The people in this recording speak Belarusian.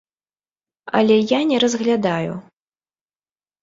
Але я не разглядаю.